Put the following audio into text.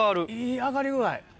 いい揚がり具合。